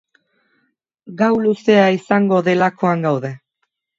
Gau luzea izango delakoan gaude.